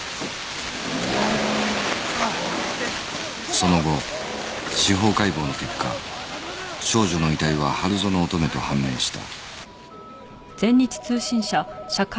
その後司法解剖の結果少女の遺体は春薗乙女と判明した